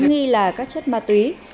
nghi là các chất ma túy